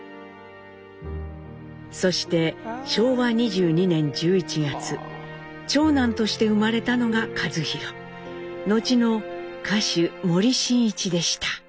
そして昭和２２年１１月長男として生まれたのが一寛後の歌手森進一でした。